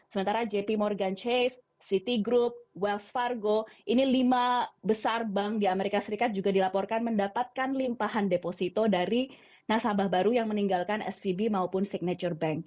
sementara jp morgan chave city group wels fargo ini lima besar bank di amerika serikat juga dilaporkan mendapatkan limpahan deposito dari nasabah baru yang meninggalkan svb maupun signature bank